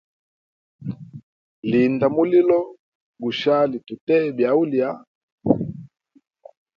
Linda mulilo gushali tuteye byaulya.